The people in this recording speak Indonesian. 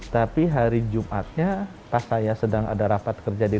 tapi hari jumatnya pas saya sedang ada rapat kerja di